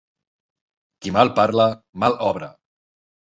Qui mal parla, mal obra.